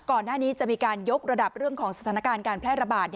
ก่อนหน้านี้จะมีการยกระดับเรื่องของสถานการณ์การแพร่ระบาด